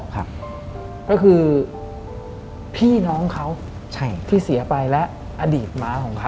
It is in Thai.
ก็คือพี่น้องเขาที่เสียไปและอดีตมาก